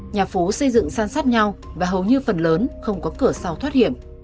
nhà phú xây dựng san sát nhau và hầu như phần lớn không có cửa sau thoát hiểm